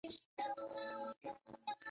这是皮泽建造的唯一一座铁路车站。